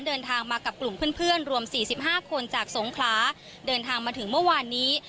เดินทางมากับกลุ่มเพื่อนรวม๔๕คนจากสงขลาเดินทางมาถึงเมื่อวานนี้